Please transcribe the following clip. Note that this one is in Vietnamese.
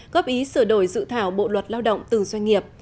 góp ý sửa đổi dự thảo bộ luật lao động từ doanh nghiệp